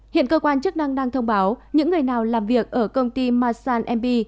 hiện cơ quan chức năng đang thông báo những người nào làm việc ở công ty marsan mp